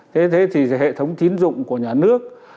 thế thì hệ thống tiến dụng của nhà nước